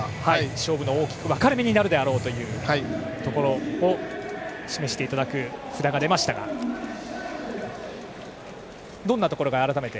勝負の大きな分かれ目になるであろうところを示していただく札が出ましたが改めて、どんなところが？